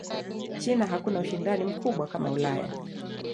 china hakuna ushindani mkubwa kama Ulaya